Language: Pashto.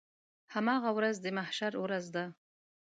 هماغه ورځ د محشر ورځ ده.